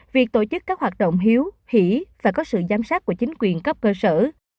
việc tổ chức các hoạt động hiếu hỉ phải có sự giám sát của chính quyền cấp cơ sở